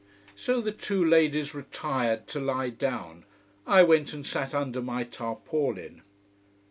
So the two ladies retired to lie down, I went and sat under my tarpaulin.